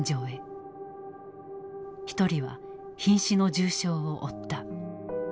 一人はひん死の重傷を負った。